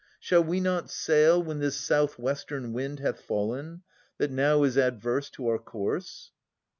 Shall we not sail when this south western wind Hath fallen, that now is adverse to our course